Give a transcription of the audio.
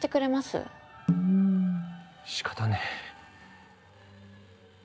しかたねぇ。